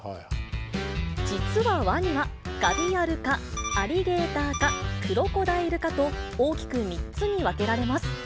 実はワニはガビアル科、アリゲーター科、クロコダイル科と、大きく３つに分けられます。